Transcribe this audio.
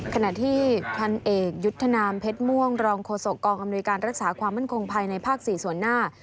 ขณะที่พันเอกยุทธนามเพชรม่วงรองโฆษกองอำนวยการรักษาความมั่นคงภายในภาค๔ส่วนหน้า